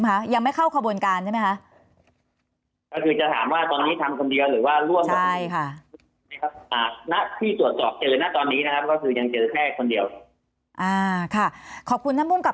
เวลานิดนึงค่ะมือหนาวะจะแจ้ยอบพันธุ์ถึงคำคัน